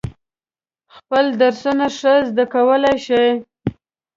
خپل درسونه ښه زده کولای شي.